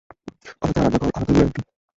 আলাদা রান্নাঘর, আলাদা ল্যাট্রিন।